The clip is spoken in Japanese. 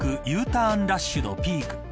ターンラッシュのピーク。